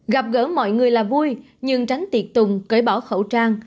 gặp gỡ mọi người là vui nhưng tránh tiệt tùng cởi bỏ khẩu trang